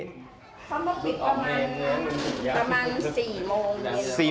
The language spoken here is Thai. เขามาปิดประมาณ๔โมงเย็น